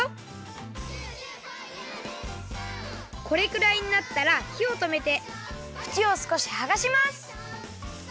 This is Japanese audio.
これくらいになったらひをとめてふちをすこしはがします！